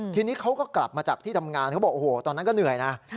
ทีนี้เขาก็กลับมาจากที่ทำงานเขาบอกโอ้โหตอนนั้นก็เหนื่อยนะ